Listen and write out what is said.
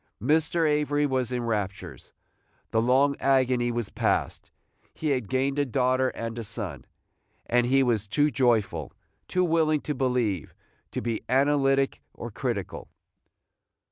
Mr. Avery was in raptures. The long agony was past. He had gained a daughter and a son, and he was too joyful, too willing to believe, to be analytic or critical.